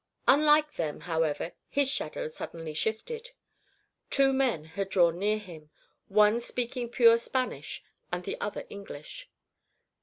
Unlike them, however, his shadow suddenly shifted. Two men had drawn near him, one speaking pure Spanish and the other English.